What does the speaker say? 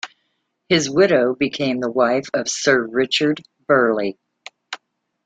His widow became the wife of Sir Richard Burley.